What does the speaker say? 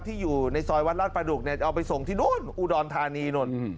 ที่อยู่ในซอยวัดราชฟาดุกเอาไปส่งที่นู่นอูดอนทานีนู่น